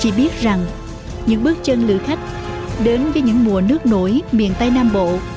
chỉ biết rằng những bước chân lựa khách đến với những mùa nước nổi miền tây nam bộ